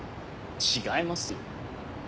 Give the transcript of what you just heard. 違いますよ。